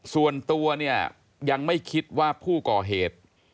ส่วนตัวเนี่ยยังไม่คิดว่าผู้ก่อเหตุ